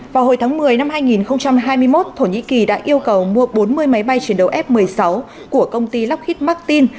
vào hồi tháng một mươi năm hai nghìn hai mươi một thổ nhĩ kỳ đã yêu cầu mua bốn mươi máy bay chiến đấu f một mươi sáu của công ty lockheed martin